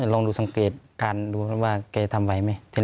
ลองดูสังเกตการณ์ดูว่าแกทำไวไหม